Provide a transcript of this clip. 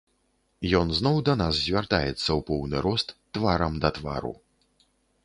Ён зноў да нас звяртаецца ў поўны рост, тварам да твару.